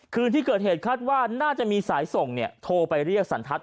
คืนที่เกิดเหตุคาดว่าน่าจะมีสายส่งโทรไปเรียกสันทัศน